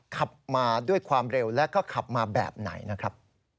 ขับมาด้วยความเร็วแล้วก็ขับมาแบบไหนนะครับ